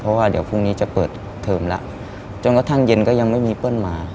เพราะว่าเดี๋ยวพรุ่งนี้จะเปิดเทอมแล้วจนกระทั่งเย็นก็ยังไม่มีเปิ้ลมา